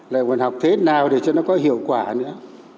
lại còn học thế nào để cho nó có hiệu quả nữa